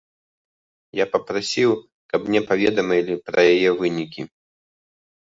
Я папрасіў, каб мне паведамілі пра яе вынікі.